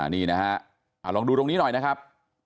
นี่นะฮะลองดูตรงนี้หน่อยนะครับ